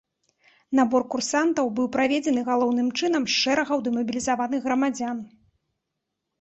Набор курсантаў быў праведзены галоўным чынам з шэрагаў дэмабілізаваных грамадзян.